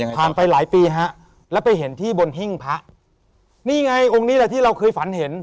ไปหลายปีฮะแล้วไปเห็นที่บนหิ้งพระนี่ไงองค์นี้แหละที่เราเคยฝันเห็น